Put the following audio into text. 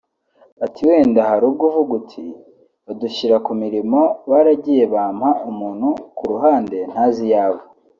Ati “Wenda hari ubwo uvuga uti ‘badushyira ku mirimo baragiye bampa umuntu ku ruhande ntazi iyo ava